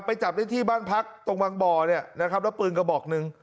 ไปจับที่บ้านพักตรงบางบ่อแล้วปืนก็บอกนึง